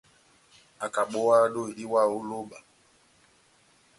ákabówáhá dóhi diwáha ó lóba